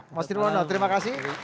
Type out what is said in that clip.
mas dirwono terima kasih